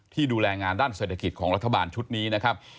ดูแลงานด้านเศรษฐกิจของรัฐบาลชุดนี้นะครับ